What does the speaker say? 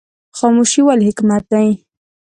خاموشي ولې حکمت دی؟